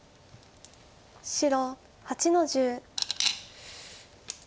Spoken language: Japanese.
白８の十。